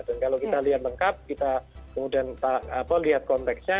dan kalau kita lihat lengkap kita kemudian lihat konteksnya